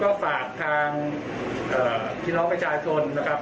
ได้ไปถึงที่เกิดเหตุแล้วนะครับ